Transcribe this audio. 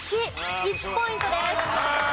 １ポイントです。